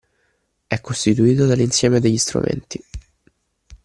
È costituito dall’insieme degli strumenti